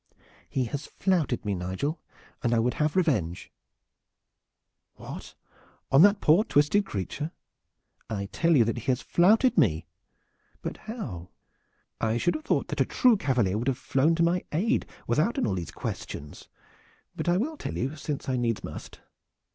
"He has flouted me, Nigel, and I would have revenge." "What on that poor twisted creature?" "I tell you that he has flouted me!" "But how?" "I should have thought that a true cavalier would have flown to my aid, withouten all these questions. But I will tell you, since I needs must.